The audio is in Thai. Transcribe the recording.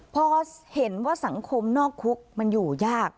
พอเห็นว่าสังคมนอกคุกมันอยู่ยาก